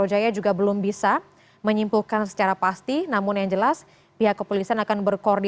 jalan proklamasi jakarta pusat